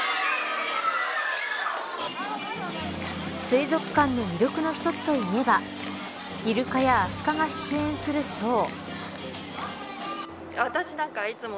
水族館の魅力の一つといえばイルカやアシカが出演するショー。